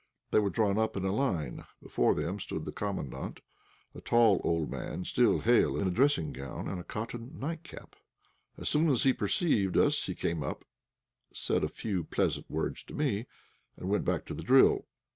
They were drawn up in line. Before them stood the Commandant, a tall, old man, still hale, in a dressing gown and a cotton nightcap. As soon as he perceived us he came up, said a few pleasant words to me, and went back to the drill.